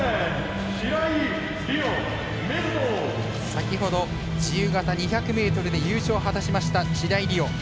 先ほど、自由形２００ｍで優勝を果たしました、白井璃緒。